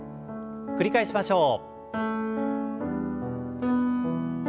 繰り返しましょう。